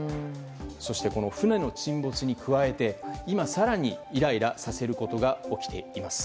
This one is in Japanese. そして船の沈没に加えて今、更にイライラさせることが起きています。